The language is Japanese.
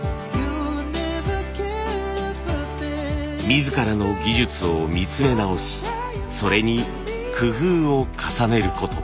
自らの技術を見つめ直しそれに工夫を重ねること。